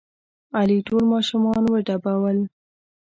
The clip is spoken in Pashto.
علي ټول ماشومان وډبول.